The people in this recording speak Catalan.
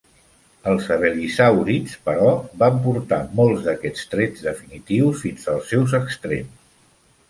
Els abelisàurids, però, van portar molts d'aquests trets definitius fins als seus extrems.